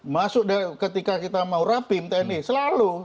masuk ketika kita mau rapim tni selalu